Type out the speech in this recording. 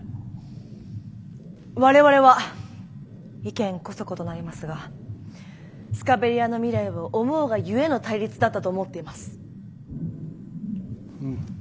我々は意見こそ異なりますがスカベリアの未来を思うがゆえの対立だったと思っています。